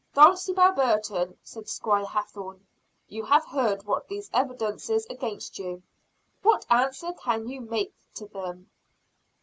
"Dulcibel Burton," said Squire Hathorne, "you have heard what these evidence against you; what answer can you make to them?"